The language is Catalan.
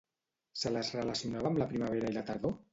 Se les relacionava amb la primavera i la tardor?